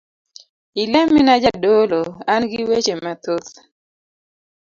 Ilemina jadolo, angi weche mathoth.